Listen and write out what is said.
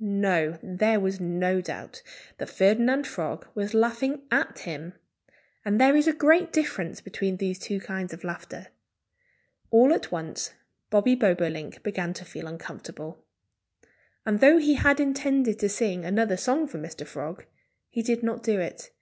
No! There was no doubt that Ferdinand Frog was laughing at him. And there is a great difference between these two kinds of laughter. All at once Bobby Bobolink began to feel uncomfortable. And though he had intended to sing another song for Mr. Frog, he did not do it.